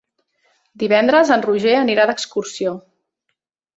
Divendres en Roger anirà d'excursió.